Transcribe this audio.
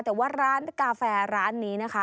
แต่ว่าร้านกาแฟร้านนี้นะคะ